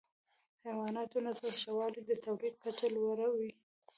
د حیواناتو نسل ښه والی د تولید کچه لوړه وي.